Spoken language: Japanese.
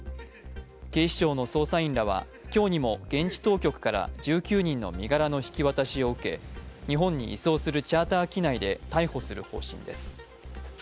警視庁の捜査員らは、今日にも現地当局から１９人の身柄の引き渡しを受け、日本に移送するチャーター機内で逮捕する方針です。